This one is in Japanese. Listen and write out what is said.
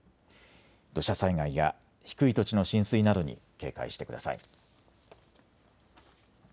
土砂災害や低い土地の浸水などに警戒してください。